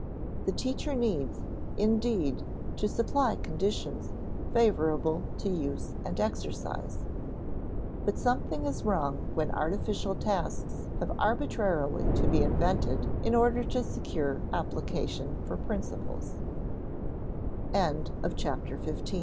The teacher needs, indeed, to supply conditions favorable to use and exercise; but something is wrong when artificial tasks have arbitrarily to be invented in order to secure applic